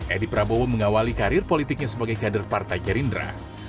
edi prabowo mengawali karir politiknya sebagai kader partai gerindra